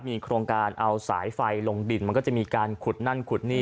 มีโครงการเอาสายไฟลงดินมันก็จะมีการขุดนั่นขุดนี่